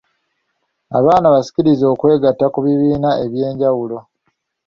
Abaana basikirize okwegatta ku bibiina eby'enjawulo